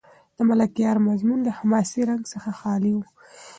د ملکیار مضمون له حماسي رنګ څخه خالي و.